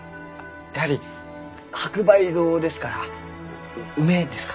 やはり白梅堂ですから梅ですか？